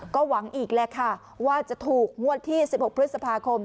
ก็หวังอีกแหละค่ะว่าจะถูกงวดที่๑๖พฤษภาคม